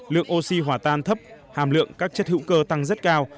lượng oxy hỏa tan thấp hàm lượng các chất hữu cơ tăng rất cao